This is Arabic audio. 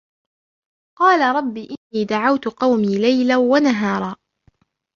قال رب إني دعوت قومي ليلا ونهارا